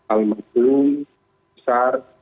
al masjid bung besar